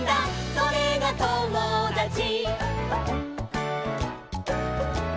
「それがともだち」